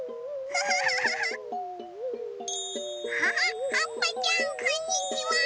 アハはっぱちゃんこんにちは！